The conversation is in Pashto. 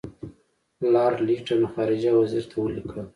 لارډ لیټن خارجه وزیر ته ولیکل.